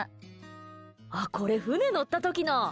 これ、船乗った時の！